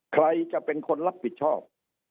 ใครจะเป็นคนรับผิดชอบ